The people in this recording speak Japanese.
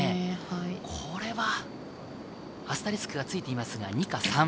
これはアスタリスクがついていますが、２か３。